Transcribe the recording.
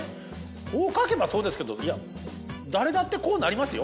こう書けばそうですけど誰だってこうなりますよ